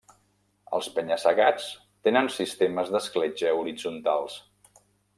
Els penya-segats tenen sistemes d'escletxa horitzontals.